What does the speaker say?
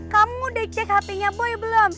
kamu udah cek hp nya boy belum